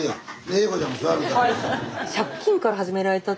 栄子ちゃんも座るから。